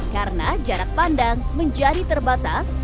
karena jarak pandang menjadi terbatas